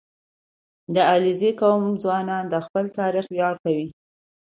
• د علیزي قوم ځوانان د خپل تاریخ ویاړ کوي.